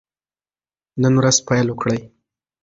نن ورځ پیل وکړئ.